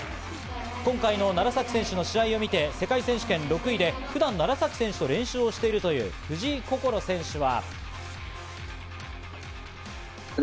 今回の楢崎選手の試合を見て、世界選手権６位で普段、楢崎選手と練習をしているという藤井快選手は。